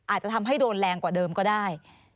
อาจจะทำให้โดนแรงกว่าเดิมก็ได้